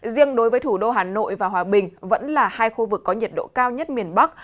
riêng đối với thủ đô hà nội và hòa bình vẫn là hai khu vực có nhiệt độ cao nhất miền bắc